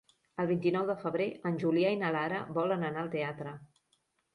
El vint-i-nou de febrer en Julià i na Lara volen anar al teatre.